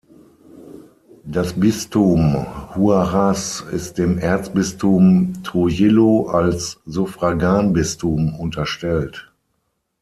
Das Bistum Huaraz ist dem Erzbistum Trujillo als Suffraganbistum unterstellt.